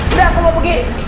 udah aku mau pergi